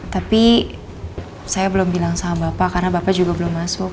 tapi saya belum bilang sama bapak karena bapak juga belum masuk